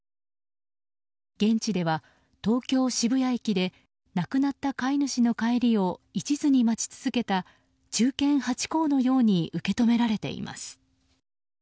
現地では東京・渋谷駅で亡くなった飼い主の帰りを一途に待ち続けた忠犬ハチ公のように受け止められています。